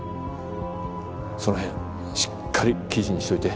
そのへんしっかり記事にしといて。